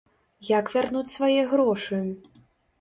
Як вярнуць свае грошы?